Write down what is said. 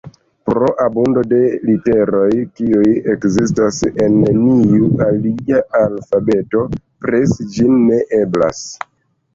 Pro abundo de literoj, kiuj ekzistas en neniu alia alfabeto, presi ĝin ne eblas.